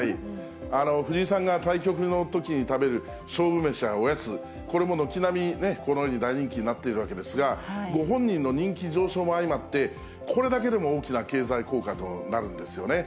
藤井さんが対局のときに食べる勝負飯やおやつ、これも軒並み、このように大人気になっているわけですが、ご本人の人気上昇も相まって、これだけでも大きな経済効果となるんですよね。